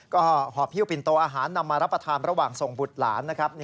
ก็หอบฮิ้วปินโตอาหารนำมารับประทานระหว่างส่งบุตรหลานนะครับ